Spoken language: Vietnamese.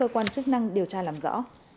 các cơ quan chức năng điều tra làm rõ